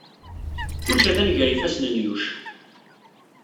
Kullec atan gar yifassen n Yuc.